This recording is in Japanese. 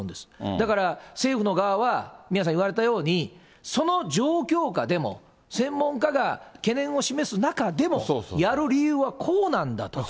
だから、政府の側は宮根さん言われたように、その状況下でも、専門家が懸念を示す中でもやる理由はこうなんだと。